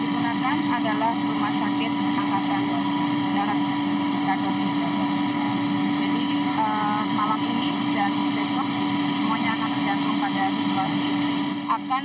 digunakan adalah rumah sakit angkatan darat bukit kajang jadi malam ini dan besok semuanya akan